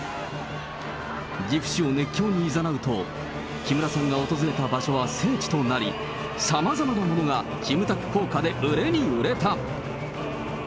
岐阜市を熱狂にいざなうと、木村さんが訪れた場所は聖地となり、さまざまなものがキムタク効果で売れに売れた。